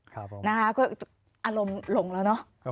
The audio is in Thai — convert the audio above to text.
ครับผมนะคะก็อารมณ์หลงแล้วเนอะ